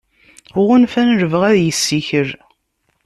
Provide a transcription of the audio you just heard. Ɣunfan lebɣi ad yessikel.